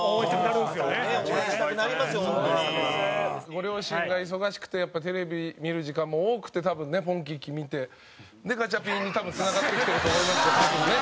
ご両親が忙しくてやっぱテレビ見る時間も多くて多分ね『ポンキッキーズ』見てガチャピンにつながってきてると思いますけど多分ね。